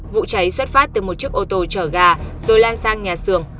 vụ cháy xuất phát từ một chiếc ô tô chở gà rồi lan sang nhà xưởng